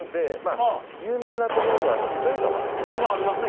糸魚川ありますね